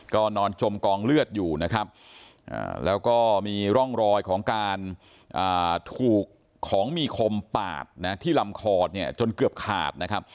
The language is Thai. ก็นอนจมกองเลือดอยู่นะครับแล้วก็มีร่องรอยของการถูกของมีคมปาดนะที่ลำคอเนี่ยจนเกือบขาดนะครับ